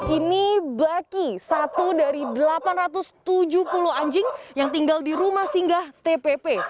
ini baki satu dari delapan ratus tujuh puluh anjing yang tinggal di rumah singgah tpp